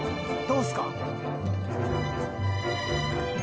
どうすか？